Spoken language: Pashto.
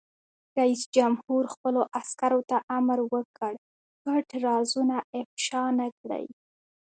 رئیس جمهور خپلو عسکرو ته امر وکړ؛ پټ رازونه افشا نه کړئ!